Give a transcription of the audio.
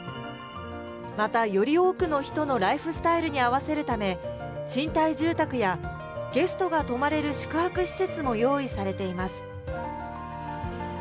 また、より多くの人のライフスタイルに合わせるため、賃貸住宅やゲストが泊まれる宿泊施設も用意されています。